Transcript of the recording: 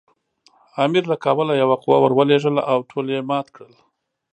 امیر له کابله یوه قوه ورولېږله او ټول یې مات کړل.